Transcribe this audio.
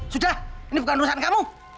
sudah ini bukan urusan kamu